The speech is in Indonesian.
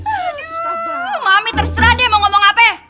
aduh mami terserah deh mau ngomong apa ya